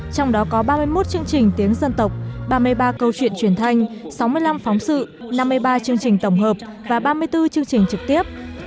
trong đó có ba mươi một chương trình tiếng dân tộc ba mươi ba câu chuyện truyền thanh sáu mươi năm phóng sự năm mươi ba chương trình tổng hợp và ba mươi bốn chương trình trực tiếp